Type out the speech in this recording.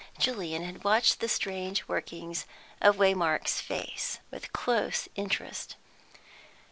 Julian had watched the strange workings of Waymark's face with close interest.